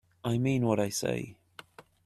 I mean what I say.